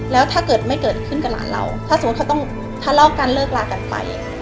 แล้วถ้าเกิดไม่เกิดขึ้นกับหลานเราถ้าสมมุติเขาต้องทะเลาะกันเลิกลากันไป